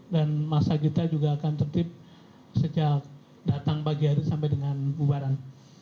dan masa kita juga akan tertib sejak datang pagi hari sampai dengan bubaran